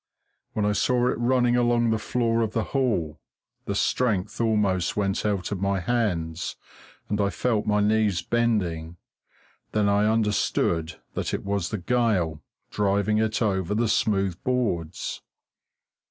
When I saw it running along the floor of the hall, the strength almost went out of my hands, and I felt my knees bending; then I understood that it was the gale, driving it over the smooth boards.